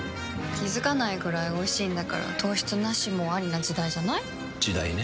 気付かないくらいおいしいんだから糖質ナシもアリな時代じゃない？時代ね。